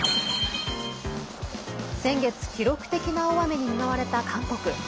先月、記録的な大雨に見舞われた韓国。